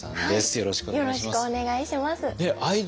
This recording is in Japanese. よろしくお願いします。